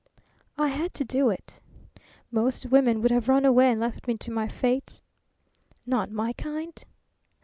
"I had to do it." "Most women would have run away and left me to my fate." "Not my kind."